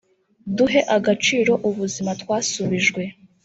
Duhe agaciro ubuzima twasubijwe